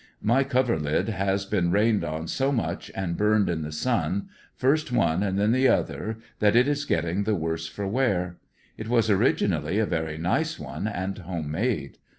My coverlid has been rained on so much and burned in the sun, first one and then the other, that it is getting the worse for wear. It was originally a very nice one, and home made.